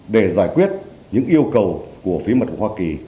để giải quyết những yêu cầu của phía mật hoa kỳ